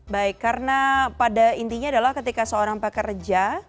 baik karena pada intinya adalah ketika seorang pekerja